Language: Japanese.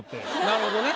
なるほどね。